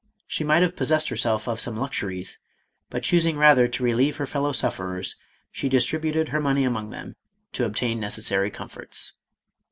She mignt have possessed herself of some luxuries, MADAME ROLAND. 615 but choosing rather to relieve her fellow sufferers, she distributed her money among them to obtain necessary comforts.